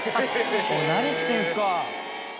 何してるんですか。